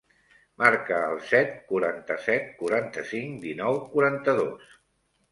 Marca el set, quaranta-set, quaranta-cinc, dinou, quaranta-dos.